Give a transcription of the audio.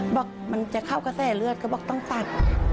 บอกมันจะเข้ากระแสเลือดก็บอกต้องตัด